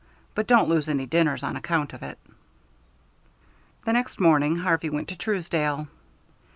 But don't lose any dinners on account of it." The next morning Harvey went to Truesdale.